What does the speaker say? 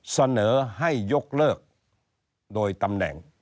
เสนอให้ยกเลิกโดยตำแหน่ง